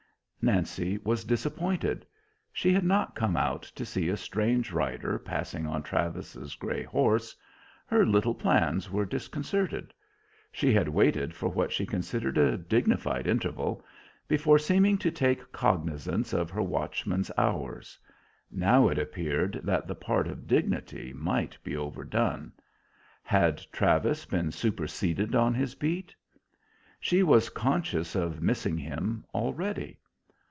Nancy was disappointed; she had not come out to see a strange rider passing on Travis's gray horse. Her little plans were disconcerted. She had waited for what she considered a dignified interval, before seeming to take cognizance of her watchman's hours; now it appeared that the part of dignity might be overdone. Had Travis been superseded on his beat? She was conscious of missing him already.